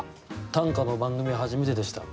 短歌の番組は初めてでした。